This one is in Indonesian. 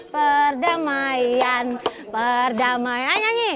perdamayan perdamaian ayo nyanyi